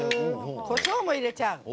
こしょうも入れちゃう。